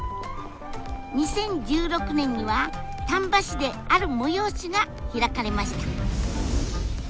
２０１６年には丹波市である催しが開かれました。